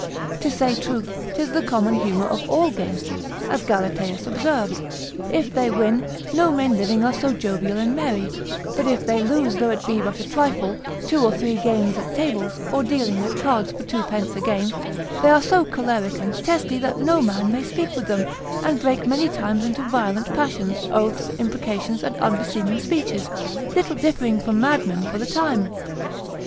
To say truth, 'tis the common humour of all gamesters, as Galataeus observes, if they win, no men living are so jovial and merry, but if they lose, though it be but a trifle, two or three games at tables, or a dealing at cards for two pence a game, they are so choleric and testy that no man may speak with them, and break many times into violent passions, oaths, imprecations, and unbeseeming speeches, little differing from mad men for the time.